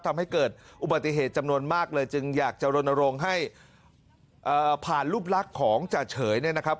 ทำให้เกิดอุบัติเหตุจำนวนมากเลยจึงอยากจะรณรงค์ให้ผ่านรูปลักษณ์ของจ่าเฉยเนี่ยนะครับ